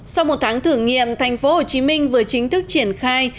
sau một tháng thử nghiệm tp hcm vừa chính thức triển khai